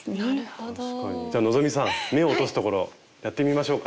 じゃあ希さん目を落とすところやってみましょうか。